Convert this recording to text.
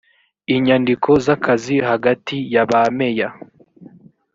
inyandiko z akazi hagati ya ba meya